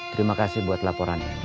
terima kasih buat laporannya